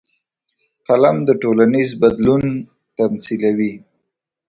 قلم د ټولنیز بدلون تمثیلوي